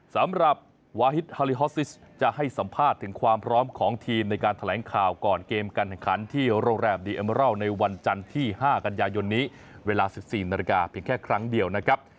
สำหรับวาฮิตฮาลิฮอสซิสจะให้สัมภาษณ์ถึงความพร้อมของทีมในการแถลงข่าวก่อนเกมการแข่งขันที่โรงแรมดีเอ็มรอลในวันจันทร์ที่๕กันยายนนี้เวลา๑๔นาฬิกาเพียงแค่ครั้งเดียวนะครับ